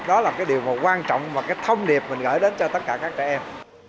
đó là điều quan trọng và thông điệp mình gửi đến cho tất cả các trẻ em